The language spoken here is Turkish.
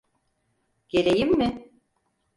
Geleyim mi?